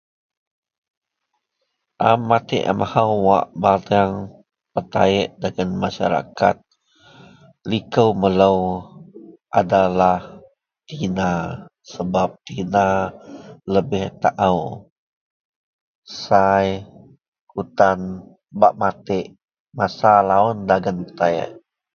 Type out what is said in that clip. A matek amahou bateang betaek dagen maseraket likou melou adalah Tina sebap, sebap Tina lebeh taao sai betan bak matek masa laon dagen metaek